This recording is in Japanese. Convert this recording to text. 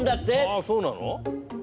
あそうなの？